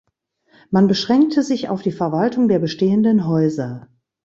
Man beschränkte sich auf die Verwaltung der bestehenden Häuser.